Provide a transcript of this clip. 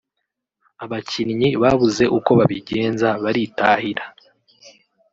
abakinnyi babuze uko babigenza baritahira